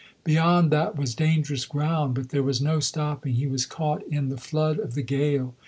Beyond that was dangerous ground, but there was no stopping; he was caught in the flood of the gale.